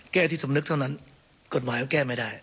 แก้ที่สำนึกเท่านั้นกฎหมายก็แก้ไม่ได้